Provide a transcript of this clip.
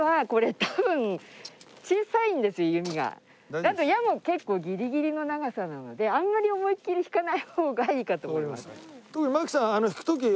あと矢も結構ギリギリの長さなのであんまり思いっきり引かない方がいいかと思います。